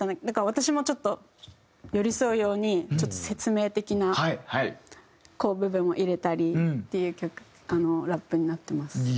だから私もちょっと寄り添うようにちょっと説明的な部分を入れたりっていうラップになってます。